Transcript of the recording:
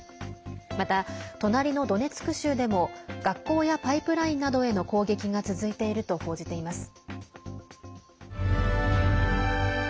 また、隣のドネツク州でも学校やパイプラインなどへの攻撃が続いていると報じています。